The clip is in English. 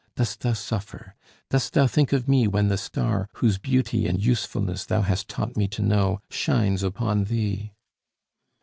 Dost thou suffer? Dost thou think of me when the star, whose beauty and usefulness thou hast taught me to know, shines upon thee?"